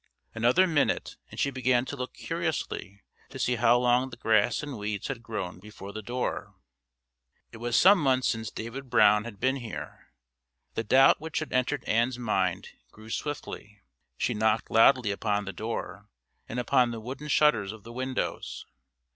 Another minute and she began to look curiously to see how long the grass and weeds had grown before the door. It was some months since David Brown had been here. The doubt which had entered Ann's mind grew swiftly. She knocked loudly upon the door and upon the wooden shutters of the windows.